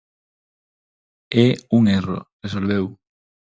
É un erro, resolveu.